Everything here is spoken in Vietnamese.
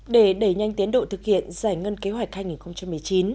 để đẩy nhanh tiến độ thực hiện giải ngân kế hoạch hai nghìn một mươi chín